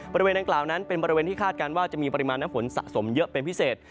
บริเวณดังกล่าวนั้นเป็นบริเวณที่คาดการณ์ว่าจะมีปริมาณน้ำฝนสะสมเยอะเป็นพิเศษ